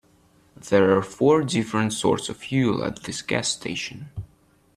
There are four different sorts of fuel at this gas station.